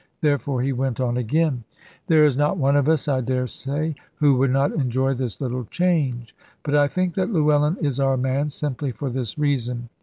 Therefore he went on again: "There is not one of us, I daresay, who would not enjoy this little change. But I think that Llewellyn is our man, simply for this reason.